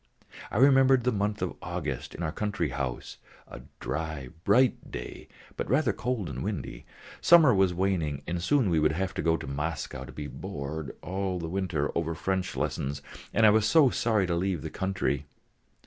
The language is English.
I remembered the month of August in our country house: a dry bright day but rather cold and windy; summer was waning and soon we should have to go to Moscow to be bored all the winter over French lessons, and I was so sorry to leave the country.